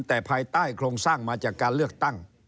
แต่ภายใต้โครงสร้างมาจากการเลือกตั้ง